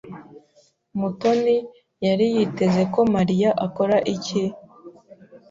Mutoni yari yiteze ko Mariya akora iki?